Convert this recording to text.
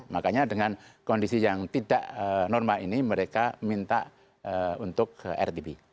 makanya dengan kondisi yang tidak normal ini mereka minta untuk rtb